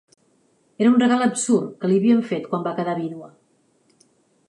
Era un regal absurd que li havien fet quan va quedar vídua.